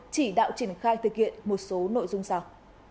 chỉ đạo triển khai thực hiện một số nội dung sau